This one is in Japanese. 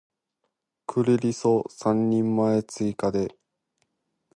クリリソ三人前追加で